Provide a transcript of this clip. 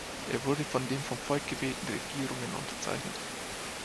Er wurde von den vom Volk gewählten Regierungen unterzeichnet!